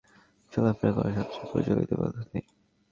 উড্ডয়ন পৃথিবীর বেশিরভাগ পাখির চলাফেরা করার সবচেয়ে প্রচলিত পদ্ধতি।